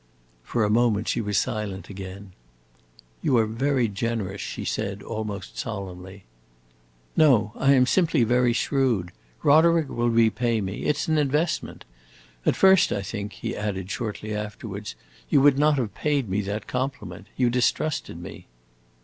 For a moment she was silent again. "You are very generous," she said, almost solemnly. "No, I am simply very shrewd. Roderick will repay me. It 's an investment. At first, I think," he added shortly afterwards, "you would not have paid me that compliment. You distrusted me."